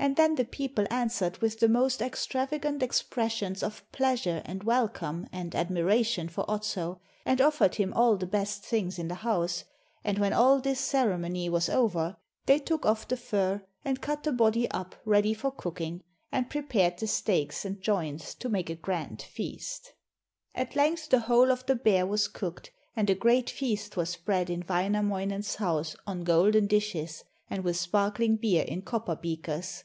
And then the people answered with the most extravagant expressions of pleasure and welcome and admiration for Otso, and offered him all the best things in the house, and when all this ceremony was over they took off the fur and cut the body up ready for cooking, and prepared the steaks and joints to make a grand feast. At length the whole of the bear was cooked, and a great feast was spread in Wainamoinen's house on golden dishes, and with sparkling beer in copper beakers.